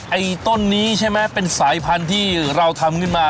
ไอ้ต้นนี้ใช่ไหมเป็นสายพันธุ์ที่เราทำขึ้นมา